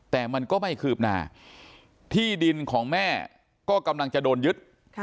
แต่มันก็ไม่คืบหน้าที่ดินของแม่ก็กำลังจะโดนยึด